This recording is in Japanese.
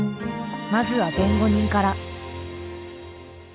まずは弁護人から。